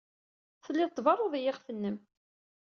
Telliḍ tberruḍ i yiɣef-nnem.